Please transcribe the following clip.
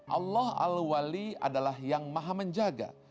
allah al wali adalah yang maha menjaga